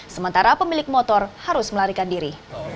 sementara pemilik motor harus melarikan diri